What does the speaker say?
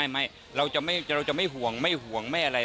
ไม่เราจะไม่ห่วงไม่อะไร